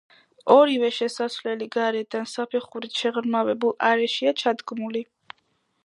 ორივე შესასვლელი გარედან საფეხურით შეღრმავებულ არეშია ჩადგმული.